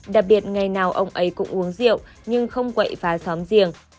đặc biệt ngày nào ông ấy cũng uống rượu nhưng không quậy phá xóm giềng